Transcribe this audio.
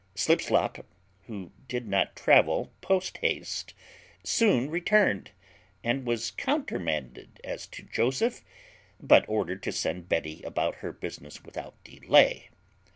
Slipslop, who did not travel post haste, soon returned, and was countermanded as to Joseph, but ordered to send Betty about her business without delay.